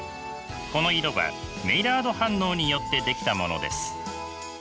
この色はメイラード反応によって出来たものです。